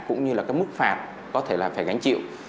cũng như là cái mức phạt có thể là phải gánh chịu